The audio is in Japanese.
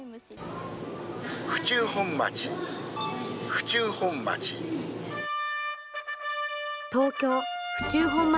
府中本町、府中本町。